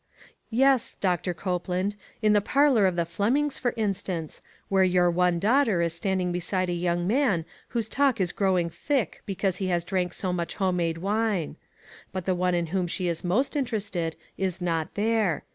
Yes, Doctor Copeland, in the parlor of the Flemings, for instance, where your one 346 ONE COMMONPLACE DAY. daughter is standing beside a young man whose talk is growing thick because he has drank so much home made wine. But the one in whom she is most interested is not there.